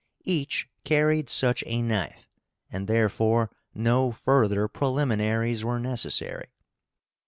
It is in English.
Each carried such a knife, and therefore no further preliminaries were necessary.